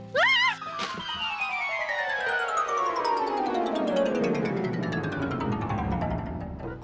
kok dia buang